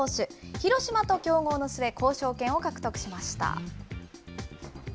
広島と競合の末、交渉権を獲得しました。